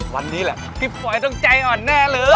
วันนี้แหละพี่ป๋อยต้องใจอ่อนแน่เลย